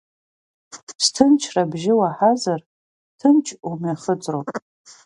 Сҭынчра абжьы уаҳазар, ҭынч умҩахыҵроуп.